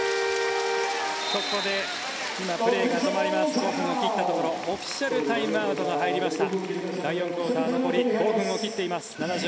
ここで今、プレーが５分を切ったところオフィシャルタイムアウトが入りました。